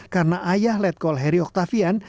karena ayah letkol heri oktavian